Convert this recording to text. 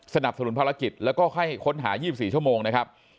สนุนภารกิจแล้วก็ให้ค้นหา๒๔ชั่วโมงนะครับ